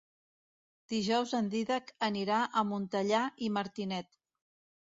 Dijous en Dídac anirà a Montellà i Martinet.